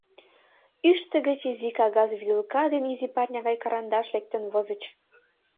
Ӱштӧ гыч изи кагаз вӱдылка ден изи парня гай карандаш лектын возыч.